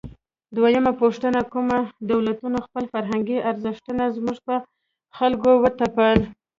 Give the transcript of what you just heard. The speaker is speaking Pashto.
دویمه پوښتنه: کومو دولتونو خپل فرهنګي ارزښتونه زموږ پر خلکو وتپل؟